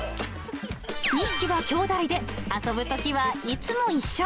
２匹は兄弟で、遊ぶときはいつも一緒。